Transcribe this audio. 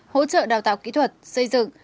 hỗ trợ đào tạo kỹ thuật xây dựng